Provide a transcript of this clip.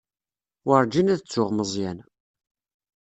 Werǧin ad ttuɣ Meẓyan.